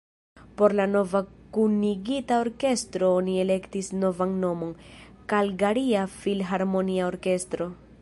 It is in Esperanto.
Por la nova kunigita orkestro oni elektis novan nomon: Kalgaria Filharmonia Orkestro.